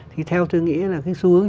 thì theo tôi nghĩ là cái xu hướng